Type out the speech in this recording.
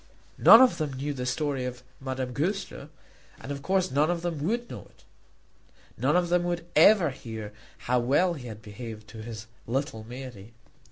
None of them knew the story of Madame Goesler, and of course none of them would know it. None of them would ever hear how well he had behaved to his little Mary.